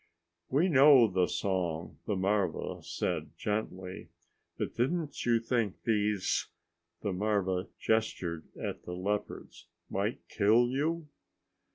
"We know the song," the marva said, gently. "But didn't you think these " the marva gestured at the leopards, "might kill you?"